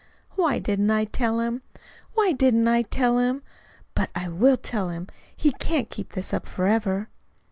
Why didn't I tell him? Why didn't I tell him? But I will tell him. He can't keep this up forever."